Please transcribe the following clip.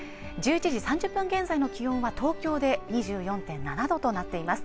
１１時３０分現在の気温は東京で２４．７度となっています